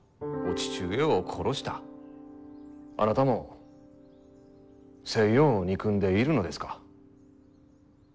あなたも西洋を憎んでいるのですか？